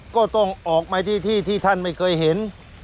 ก็ต้องออกมาที่ที่ท่านไม่เคยเห็น